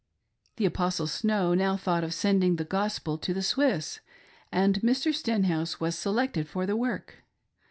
The Apostle Snow now thought of sending the Gospel to the Swiss, and Mr. Stenhouse was selected for the work.